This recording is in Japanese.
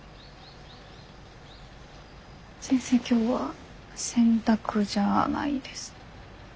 先生今日は洗濯じゃないですね。